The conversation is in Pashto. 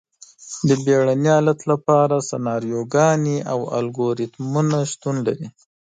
د بیړني حالت لپاره سناریوګانې او الګوریتمونه شتون لري.